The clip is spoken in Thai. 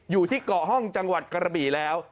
อยู่ที่เกาะห้องจังหวัดกระบี่แล้ว